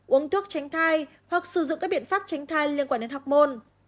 uống thuốc tránh thai hoặc sử dụng các biện pháp tránh thai liên quan đến học môn